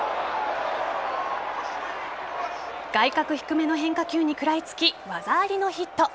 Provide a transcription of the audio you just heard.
外角低めの変化球に食らいつき技ありのヒット。